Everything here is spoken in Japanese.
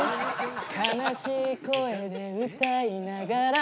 「悲しい声で歌いながら」